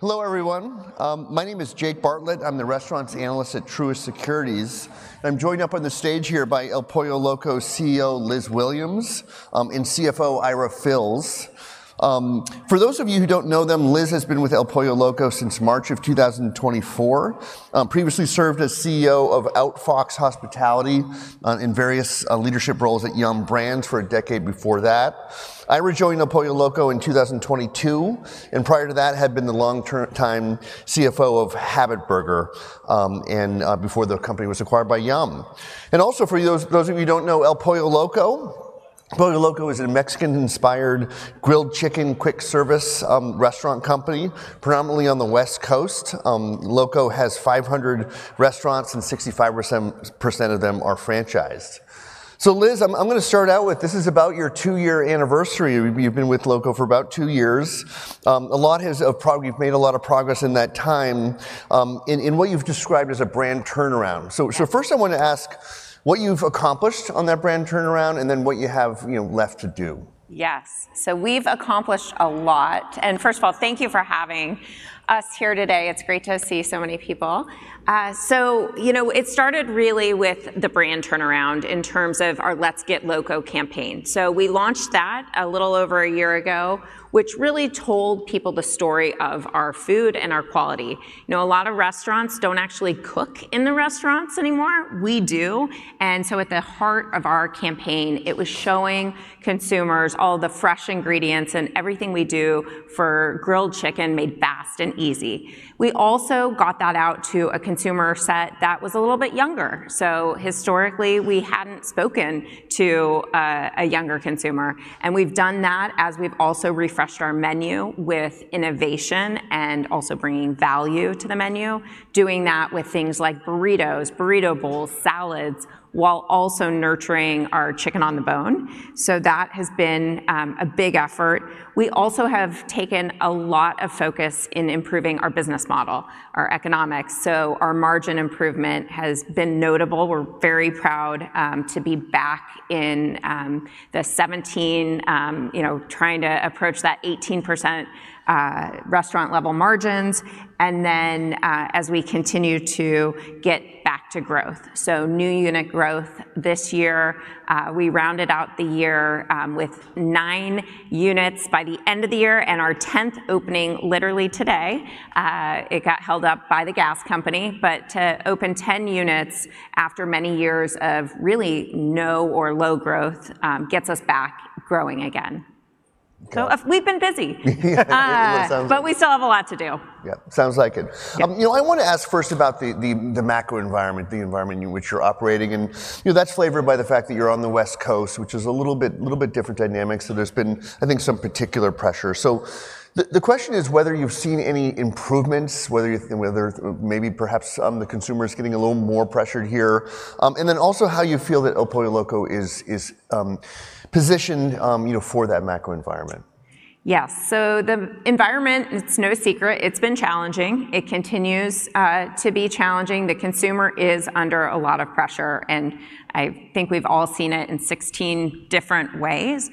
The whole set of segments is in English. Hello, everyone. My name is Jake Bartlett. I'm the Restaurants Analyst at Truist Securities. I'm joined up on the stage here by El Pollo Loco CEO Liz Williams and CFO Ira Fils. For those of you who don't know them, Liz has been with El Pollo Loco since March of 2024. Previously served as CEO of Outfox Hospitality in various leadership roles at Yum! Brands for a decade before that. Ira joined El Pollo Loco in 2022, and prior to that had been the long-term CFO of Habit Burger before the company was acquired by Yum!. And also, for those of you who don't know, El Pollo Loco is a Mexican-inspired grilled chicken quick-service restaurant company, predominantly on the West Coast. Loco has 500 restaurants, and 65% of them are franchised. So, Liz, I'm going to start out with this is about your two-year anniversary. You've been with Loco for about two years. A lot of progress has. You've made a lot of progress in that time in what you've described as a brand turnaround. So first, I want to ask what you've accomplished on that brand turnaround and then what you have left to do. Yes. So we've accomplished a lot. And first of all, thank you for having us here today. It's great to see so many people. So it started really with the brand turnaround in terms of our Let's Get Loco campaign. So we launched that a little over a year ago, which really told people the story of our food and our quality. A lot of restaurants don't actually cook in the restaurants anymore. We do. And so at the heart of our campaign, it was showing consumers all the fresh ingredients and everything we do for grilled chicken made fast and easy. We also got that out to a consumer set that was a little bit younger. So historically, we hadn't spoken to a younger consumer. We've done that as we've also refreshed our menu with innovation and also bringing value to the menu, doing that with things like burritos, burrito bowls, salads, while also nurturing our chicken on the bone. That has been a big effort. We also have taken a lot of focus in improving our business model, our economics. Our margin improvement has been notable. We're very proud to be back in the 17%, trying to approach that 18% restaurant-level margins, and then as we continue to get back to growth. New unit growth this year. We rounded out the year with nine units by the end of the year, and our 10th opening literally today. It got held up by the gas company. To open 10 units after many years of really no or low growth gets us back growing again. So we've been busy, but we still have a lot to do. Yeah, sounds like it. I want to ask first about the macro environment, the environment in which you're operating. And that's flavored by the fact that you're on the West Coast, which is a little bit different dynamic. So there's been, I think, some particular pressure. So the question is whether you've seen any improvements, whether maybe perhaps the consumer is getting a little more pressured here, and then also how you feel that El Pollo Loco is positioned for that macro environment. Yes. So the environment, it's no secret. It's been challenging. It continues to be challenging. The consumer is under a lot of pressure. And I think we've all seen it in 16 different ways.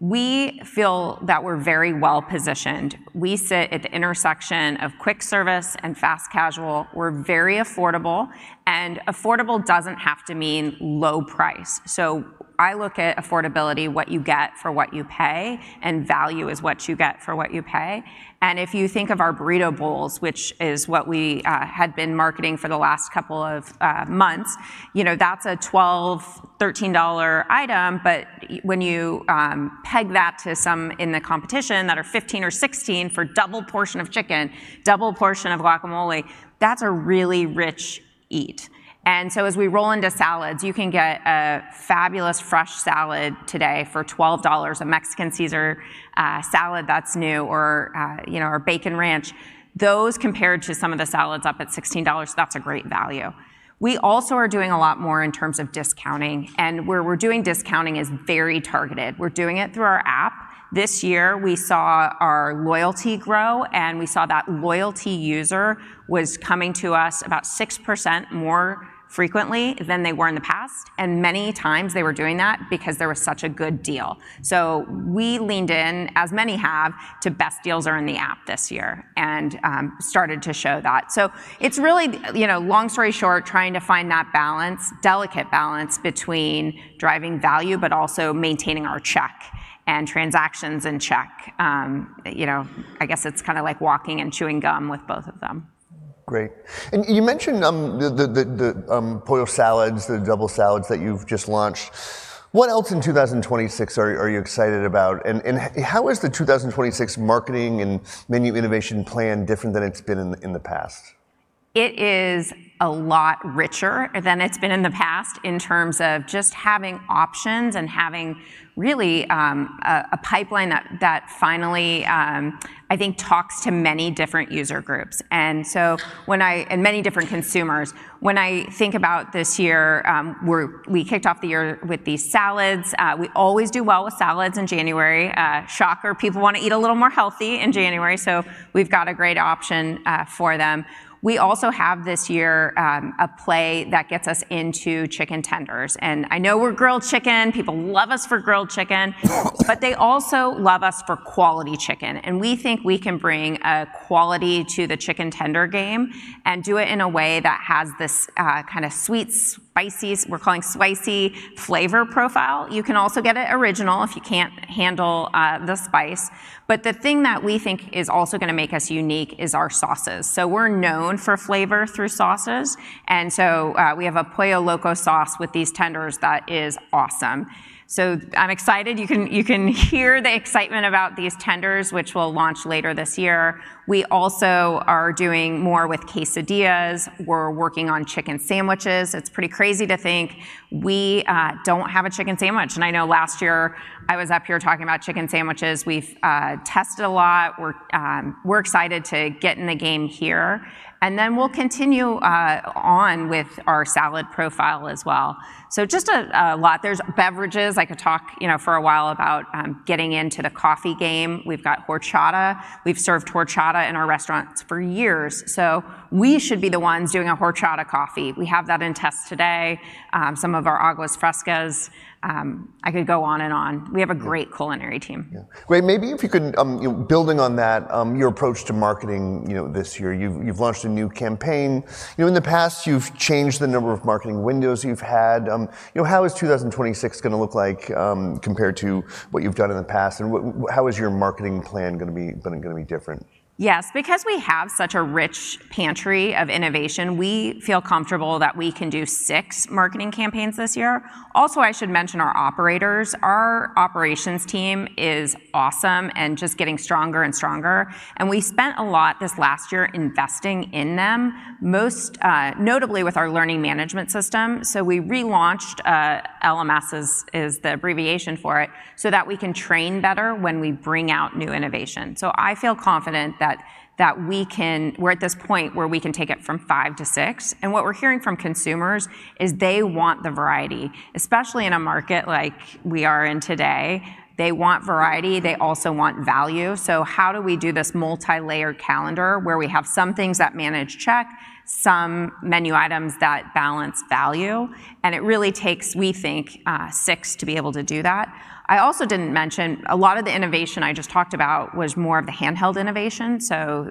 We feel that we're very well positioned. We sit at the intersection of quick service and fast casual. We're very affordable. And affordable doesn't have to mean low price. So I look at affordability, what you get for what you pay, and value is what you get for what you pay. And if you think of our burrito bowls, which is what we had been marketing for the last couple of months, that's a $12-$13 item. But when you peg that to some in the competition that are $15-$16 for double portion of chicken, double portion of guacamole, that's a really rich eat. And so as we roll into salads, you can get a fabulous fresh salad today for $12, a Mexican Caesar salad that's new, or our Bacon Ranch. Those compared to some of the salads up at $16, that's a great value. We also are doing a lot more in terms of discounting. And where we're doing discounting is very targeted. We're doing it through our app. This year, we saw our loyalty grow, and we saw that loyalty user was coming to us about 6% more frequently than they were in the past. And many times they were doing that because there was such a good deal. So we leaned in, as many have, to best deals are in the app this year and started to show that. It's really, long story short, trying to find that balance, delicate balance between driving value, but also maintaining our check and transactions. I guess it's kind of like walking and chewing gum with both of them. Great. And you mentioned the Pollo Salads, the double salads that you've just launched. What else in 2026 are you excited about? And how is the 2026 marketing and menu innovation plan different than it's been in the past? It is a lot richer than it's been in the past in terms of just having options and having really a pipeline that finally, I think, talks to many different user groups. And so many different consumers. When I think about this year, we kicked off the year with these salads. We always do well with salads in January. Shocker. People want to eat a little more healthy in January. So we've got a great option for them. We also have this year a play that gets us into chicken tenders. And I know we're grilled chicken. People love us for grilled chicken. But they also love us for quality chicken. And we think we can bring quality to the chicken tender game and do it in a way that has this kind of sweet, spicy, we're calling spicy flavor profile. You can also get it original if you can't handle the spice. But the thing that we think is also going to make us unique is our sauces. So we're known for flavor through sauces. And so we have a Pollo Loco Sauce with these tenders that is awesome. So I'm excited. You can hear the excitement about these tenders, which will launch later this year. We also are doing more with quesadillas. We're working on chicken sandwiches. It's pretty crazy to think we don't have a chicken sandwich. And I know last year I was up here talking about chicken sandwiches. We've tested a lot. We're excited to get in the game here. And then we'll continue on with our salad profile as well. So just a lot. There's beverages. I could talk for a while about getting into the coffee game. We've got horchata. We've served horchata in our restaurants for years. So we should be the ones doing a horchata coffee. We have that in test today. Some of our aguas frescas. I could go on and on. We have a great culinary team. Great. Maybe if you could, building on that, your approach to marketing this year? You've launched a new campaign. In the past, you've changed the number of marketing windows you've had. How is 2026 going to look like compared to what you've done in the past? And how is your marketing plan going to be different? Yes. Because we have such a rich pantry of innovation, we feel comfortable that we can do six marketing campaigns this year. Also, I should mention our operators. Our operations team is awesome and just getting stronger and stronger. And we spent a lot this last year investing in them, most notably with our learning management system. So we relaunched LMS, is the abbreviation for it, so that we can train better when we bring out new innovation. So I feel confident that we can. We're at this point where we can take it from five to six. And what we're hearing from consumers is they want the variety, especially in a market like we are in today. They want variety. They also want value. So how do we do this multi-layered calendar where we have some things that manage check, some menu items that balance value? And it really takes, we think, six to be able to do that. I also didn't mention a lot of the innovation I just talked about was more of the handheld innovation. So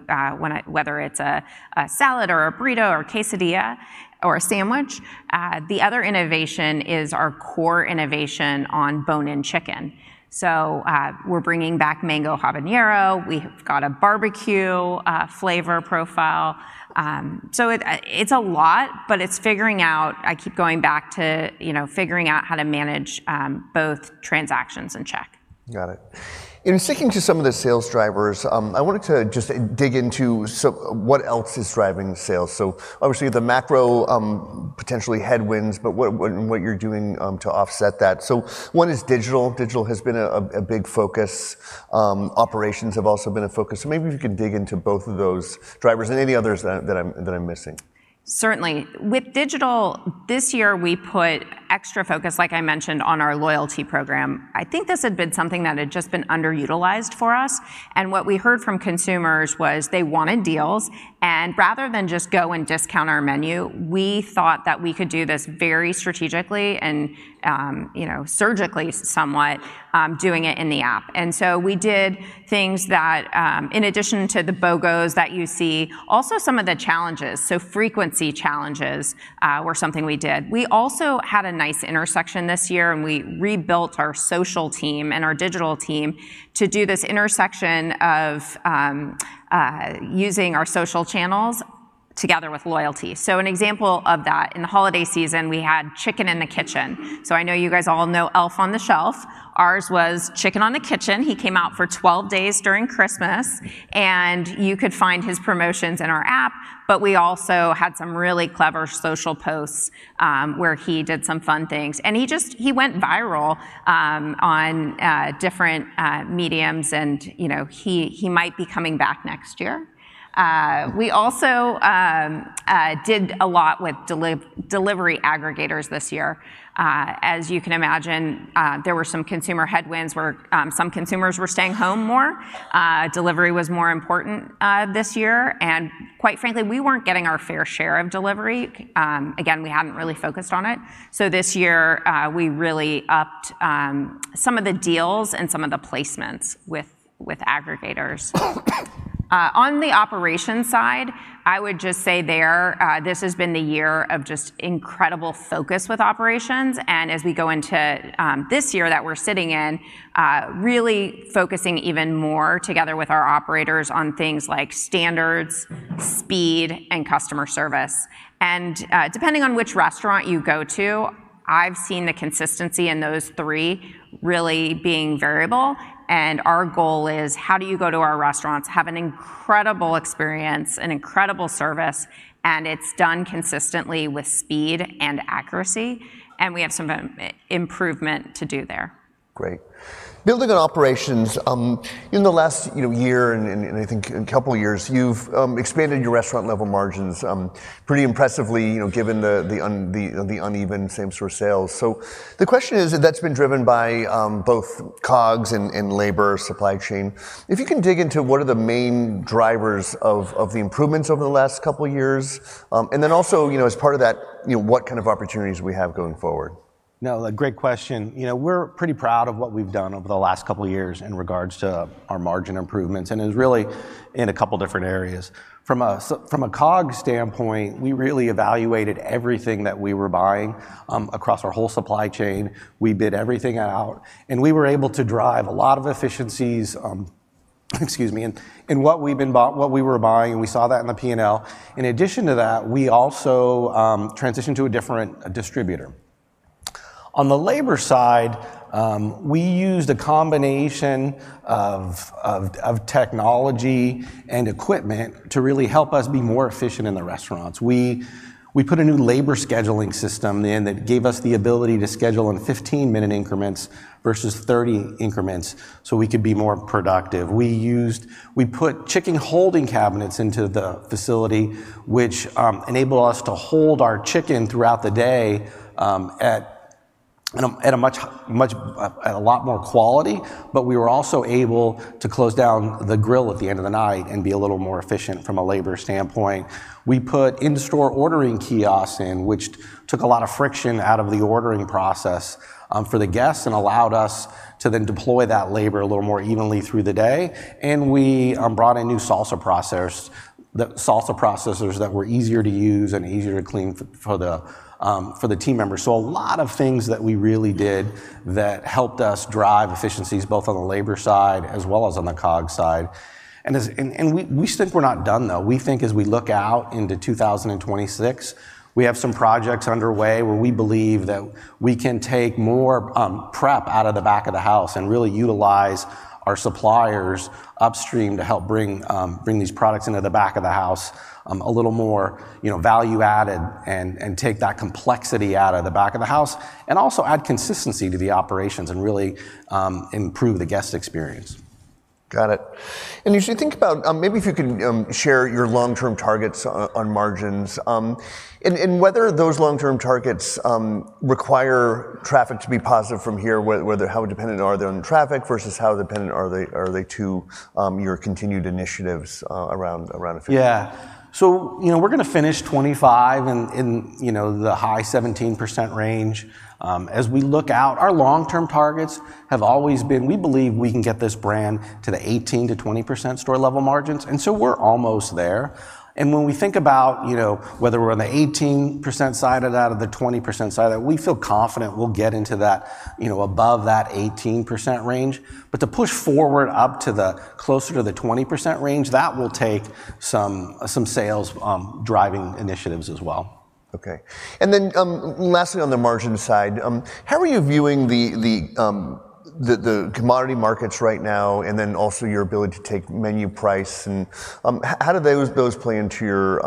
whether it's a salad or a burrito or quesadilla or a sandwich, the other innovation is our core innovation on bone-in chicken. So we're bringing back Mango Habanero. We've got a barbecue flavor profile. So it's a lot, but it's figuring out. I keep going back to figuring out how to manage both transactions and check. Got it. And sticking to some of the sales drivers, I wanted to just dig into what else is driving sales. So obviously the macro, potentially headwinds, but what you're doing to offset that. So one is digital. Digital has been a big focus. Operations have also been a focus. So maybe if you can dig into both of those drivers and any others that I'm missing. Certainly. With digital this year, we put extra focus, like I mentioned, on our loyalty program. I think this had been something that had just been underutilized for us. And what we heard from consumers was they wanted deals. And rather than just go and discount our menu, we thought that we could do this very strategically and surgically somewhat doing it in the app. And so we did things that, in addition to the BOGOs that you see, also some of the challenges. So frequency challenges were something we did. We also had a nice intersection this year, and we rebuilt our social team and our digital team to do this intersection of using our social channels together with loyalty. So an example of that, in the holiday season, we had Chicken in the Kitchen. So I know you guys all know Elf on the Shelf. Ours was Chicken in the Kitchen. He came out for 12 days during Christmas, and you could find his promotions in our app, but we also had some really clever social posts where he did some fun things, and he went viral on different media, and he might be coming back next year. We also did a lot with delivery aggregators this year. As you can imagine, there were some consumer headwinds where some consumers were staying home more. Delivery was more important this year, and quite frankly, we weren't getting our fair share of delivery. Again, we hadn't really focused on it, so this year, we really upped some of the deals and some of the placements with aggregators. On the operations side, I would just say this has been the year of just incredible focus with operations. As we go into this year that we're sitting in, really focusing even more together with our operators on things like standards, speed, and customer service. Depending on which restaurant you go to, I've seen the consistency in those three really being variable. Our goal is how do you go to our restaurants, have an incredible experience, an incredible service, and it's done consistently with speed and accuracy. We have some improvement to do there. Great. Building on operations, in the last year and I think a couple of years, you've expanded your restaurant-level margins pretty impressively given the uneven same-store sales. So the question is, that's been driven by both COGS and labor supply chain. If you can dig into what are the main drivers of the improvements over the last couple of years, and then also as part of that, what kind of opportunities do we have going forward? No, great question. We're pretty proud of what we've done over the last couple of years in regards to our margin improvements, and it was really in a couple of different areas. From a COGS standpoint, we really evaluated everything that we were buying across our whole supply chain. We bid everything out, and we were able to drive a lot of efficiencies, excuse me, in what we were buying. And we saw that in the P&L. In addition to that, we also transitioned to a different distributor. On the labor side, we used a combination of technology and equipment to really help us be more efficient in the restaurants. We put a new labor scheduling system in that gave us the ability to schedule in 15-minute increments versus 30-minute increments so we could be more productive. We put chicken holding cabinets into the facility, which enabled us to hold our chicken throughout the day at a lot more quality. But we were also able to close down the grill at the end of the night and be a little more efficient from a labor standpoint. We put in-store ordering kiosks in, which took a lot of friction out of the ordering process for the guests and allowed us to then deploy that labor a little more evenly through the day. And we brought in new salsa processors that were easier to use and easier to clean for the team members. So a lot of things that we really did that helped us drive efficiencies both on the labor side as well as on the COGS side. And we think we're not done, though. We think, as we look out into 2026, we have some projects underway where we believe that we can take more prep out of the back of the house and really utilize our suppliers upstream to help bring these products into the back of the house a little more value-added, and take that complexity out of the back of the house and also add consistency to the operations and really improve the guest experience. Got it. And as you think about maybe if you could share your long-term targets on margins and whether those long-term targets require traffic to be positive from here, how dependent are they on traffic versus how dependent are they to your continued initiatives around efficiency? Yeah. So we're going to finish 2025 in the high 17% range. As we look out, our long-term targets have always been, we believe we can get this brand to the 18%-20% store-level margins. And so we're almost there. And when we think about whether we're on the 18% side or out of the 20% side, we feel confident we'll get into that above that 18% range. But to push forward up to closer to the 20% range, that will take some sales-driving initiatives as well. Okay. And then lastly on the margin side, how are you viewing the commodity markets right now and then also your ability to take menu price? And how do those play into your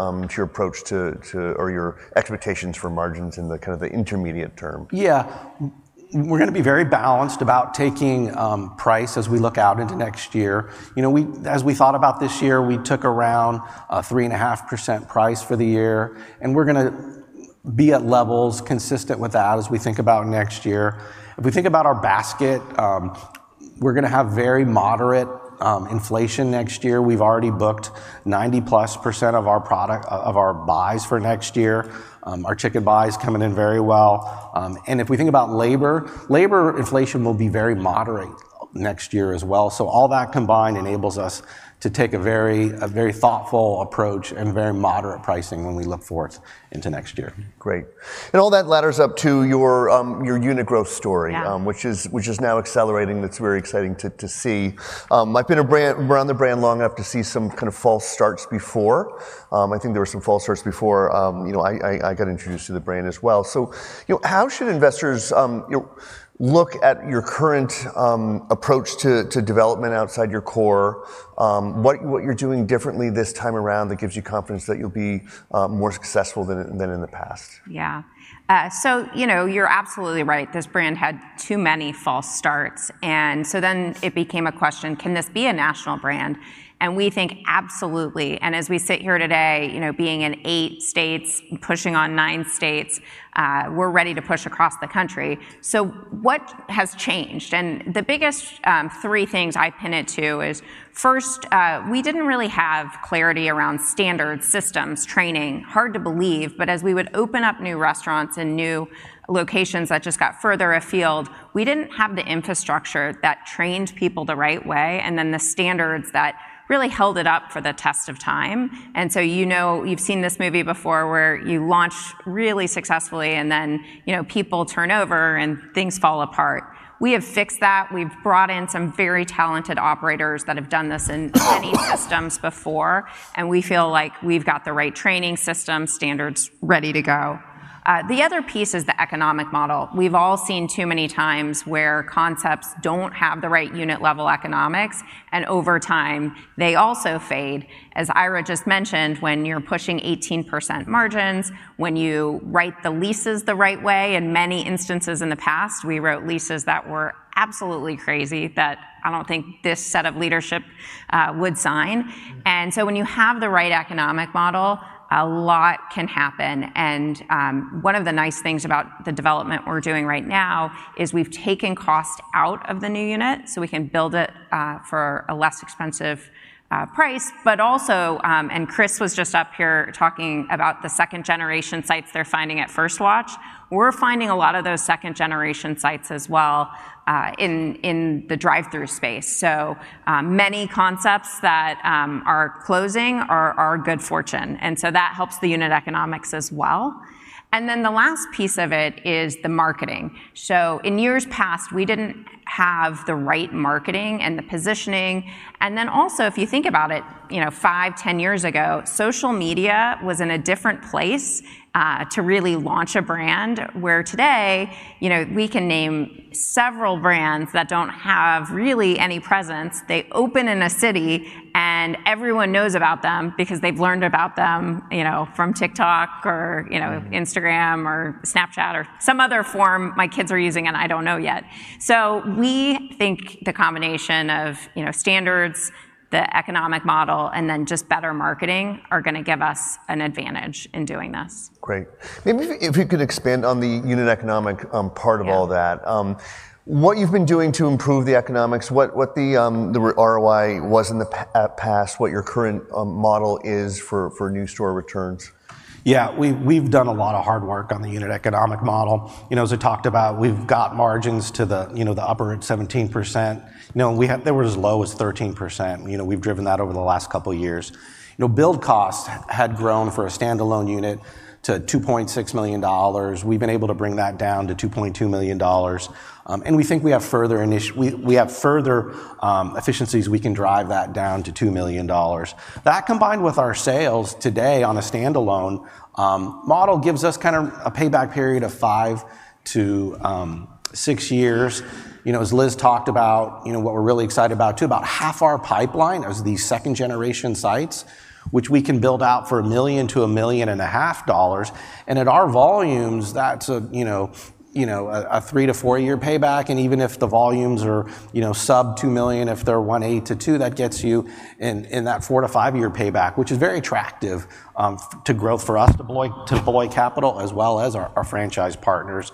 approach or your expectations for margins in the kind of intermediate term? Yeah. We're going to be very balanced about taking price as we look out into next year. As we thought about this year, we took around 3.5% price for the year, and we're going to be at levels consistent with that as we think about next year. If we think about our basket, we're going to have very moderate inflation next year. We've already booked 90%+ of our buys for next year. Our chicken buy is coming in very well, and if we think about labor, labor inflation will be very moderate next year as well, so all that combined enables us to take a very thoughtful approach and very moderate pricing when we look forward into next year. Great. And all that ladders up to your unit growth story, which is now accelerating. That's very exciting to see. I've been around the brand long enough to see some kind of false starts before. I think there were some false starts before I got introduced to the brand as well. So how should investors look at your current approach to development outside your core? What you're doing differently this time around that gives you confidence that you'll be more successful than in the past? Yeah, so you're absolutely right. This brand had too many false starts, and so then it became a question: can this be a national brand, and we think absolutely, and as we sit here today, being in eight states, pushing on nine states, we're ready to push across the country, so what has changed, and the biggest three things I pin it to is, first, we didn't really have clarity around standard systems, training. Hard to believe, but as we would open up new restaurants and new locations that just got further afield, we didn't have the infrastructure that trained people the right way and then the standards that really held it up for the test of time, and so you've seen this movie before where you launch really successfully and then people turn over and things fall apart. We have fixed that. We've brought in some very talented operators that have done this in many systems before, and we feel like we've got the right training systems, standards ready to go. The other piece is the economic model. We've all seen too many times where concepts don't have the right unit-level economics, and over time, they also fade. As Ira just mentioned, when you're pushing 18% margins, when you write the leases the right way, in many instances in the past, we wrote leases that were absolutely crazy that I don't think this set of leadership would sign, and so when you have the right economic model, a lot can happen, and one of the nice things about the development we're doing right now is we've taken cost out of the new unit so we can build it for a less expensive price. But also, and Chris was just up here talking about the second-generation sites they're finding at First Watch. We're finding a lot of those second-generation sites as well in the drive-through space. So many concepts that are closing are good fortune. And so that helps the unit economics as well. And then the last piece of it is the marketing. So in years past, we didn't have the right marketing and the positioning. And then also, if you think about it, 5, 10 years ago, social media was in a different place to really launch a brand, where today, we can name several brands that don't have really any presence. They open in a city and everyone knows about them because they've learned about them from TikTok or Instagram or Snapchat or some other form my kids are using and I don't know yet. So we think the combination of standards, the economic model, and then just better marketing are going to give us an advantage in doing this. Great. Maybe if you could expand on the unit economics part of all that. What you've been doing to improve the economics, what the ROI was in the past, what your current model is for new store returns? Yeah. We've done a lot of hard work on the unit economic model. As I talked about, we've got margins to the upper 17%. There was as low as 13%. We've driven that over the last couple of years. Build cost had grown for a standalone unit to $2.6 million. We've been able to bring that down to $2.2 million. And we think we have further efficiencies. We can drive that down to $2 million. That combined with our sales today on a standalone model gives us kind of a payback period of five to six years. As Liz talked about, what we're really excited about too, about half our pipeline is these second-generation sites, which we can build out for $1 million-$1.5 million. And at our volumes, that's a three to four-year payback. And even if the volumes are sub-$2 million, if they're $1.8 million-$2 million, that gets you in that four to five year payback, which is very attractive to growth for us to deploy capital as well as our franchise partners.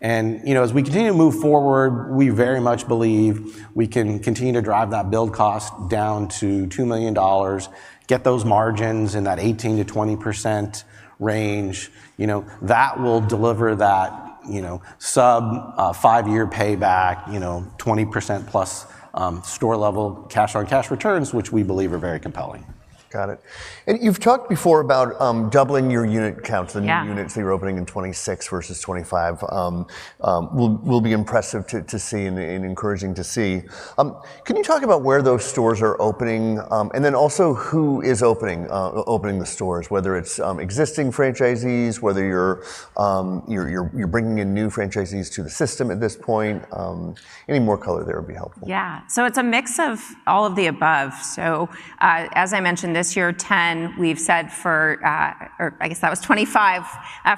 And as we continue to move forward, we very much believe we can continue to drive that build cost down to $2 million, get those margins in that 18%-20% range. That will deliver that sub-five-year payback, 20%+ store-level cash-on-cash returns, which we believe are very compelling. Got it. And you've talked before about doubling your unit counts, the new units that you're opening in 2026 versus 2025. It will be impressive to see and encouraging to see. Can you talk about where those stores are opening and then also who is opening the stores, whether it's existing franchisees, whether you're bringing in new franchisees to the system at this point? Any more color there would be helpful. Yeah. So it's a mix of all of the above. So as I mentioned, this year 10, we've said for, or I guess that was 2025.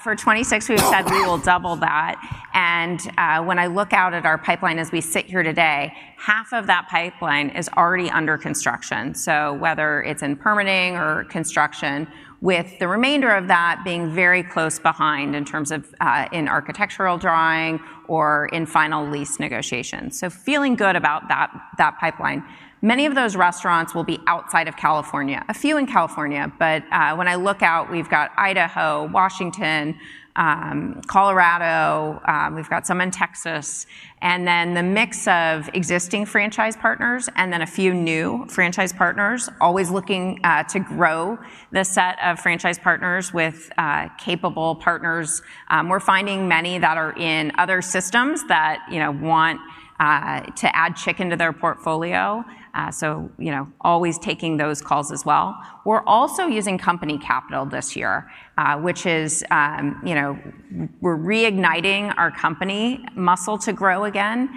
For 2026, we've said we will double that. And when I look out at our pipeline as we sit here today, half of that pipeline is already under construction. So whether it's in permitting or construction, with the remainder of that being very close behind in terms of architectural drawing or in final lease negotiations. So feeling good about that pipeline. Many of those restaurants will be outside of California, a few in California. But when I look out, we've got Idaho, Washington, Colorado. We've got some in Texas. And then the mix of existing franchise partners and then a few new franchise partners, always looking to grow the set of franchise partners with capable partners. We're finding many that are in other systems that want to add chicken to their portfolio. So always taking those calls as well. We're also using company capital this year, which is we're reigniting our company muscle to grow again.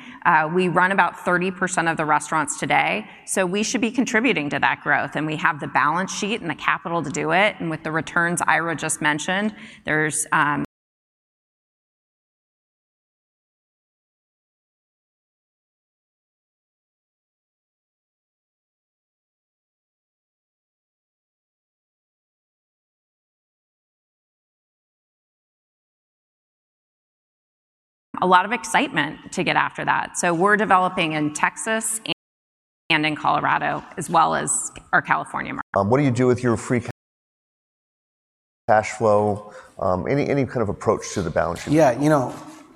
We run about 30% of the restaurants today. So we should be contributing to that growth. And we have the balance sheet and the capital to do it. And with the returns Ira just mentioned, there's a lot of excitement to get after that. So we're developing in Texas and in Colorado, as well as our California. What do you do with your free cash flow? Any kind of approach to the balance sheet? Yeah.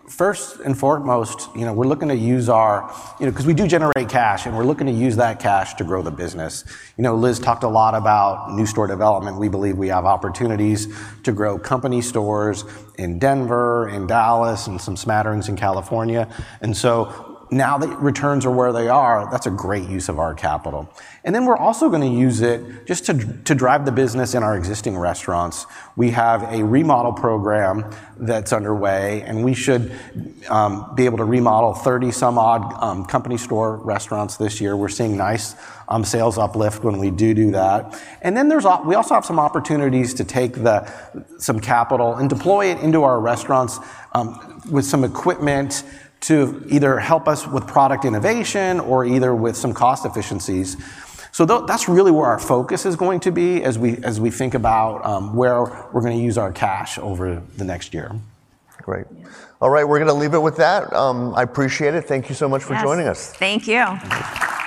First and foremost, we're looking to use our cash because we do generate cash, and we're looking to use that cash to grow the business. Liz talked a lot about new store development. We believe we have opportunities to grow company stores in Denver, in Dallas, and some smatterings in California. And so now that returns are where they are, that's a great use of our capital. And then we're also going to use it just to drive the business in our existing restaurants. We have a remodel program that's underway, and we should be able to remodel 30-some-odd company store restaurants this year. We're seeing nice sales uplift when we do that. And then we also have some opportunities to take some capital and deploy it into our restaurants with some equipment to either help us with product innovation or with some cost efficiencies. So that's really where our focus is going to be as we think about where we're going to use our cash over the next year. Great. All right. We're going to leave it with that. I appreciate it. Thank you so much for joining us. Thank you.